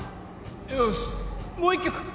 よしもう一局！